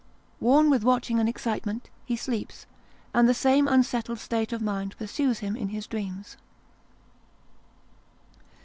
Worn with watching and excitement, he sleeps, and the same un settled state of mind pursues him in his dreams.